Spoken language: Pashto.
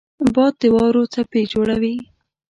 باد د واورو څپې جوړوي